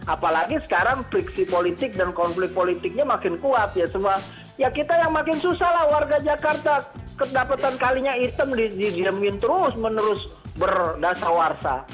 apalagi sekarang fliksi politik dan konflik politiknya makin kuat ya semua